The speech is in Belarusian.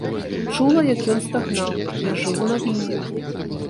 Чула, як ён стагнаў, я жыву над імі.